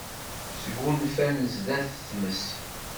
Sgunfan sdat tmes.